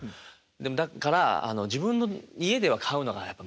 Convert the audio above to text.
でもだから自分の家では飼うのがやっぱ難しい。